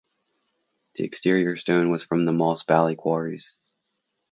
The exterior stone was from the Moss Valley quarries.